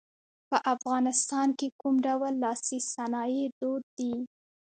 په افغانستان کې کوم ډول لاسي صنایع دود دي.